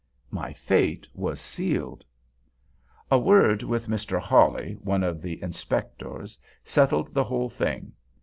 —My fate was sealed! A word with Mr. Holley, one of the inspectors, settled the whole thing.